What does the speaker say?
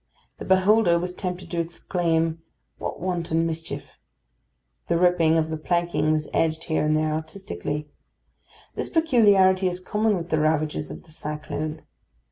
The beholder was tempted to exclaim, "What wanton mischief!" The ripping of the planking was edged here and there artistically. This peculiarity is common with the ravages of the cyclone.